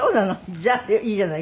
じゃあいいじゃない。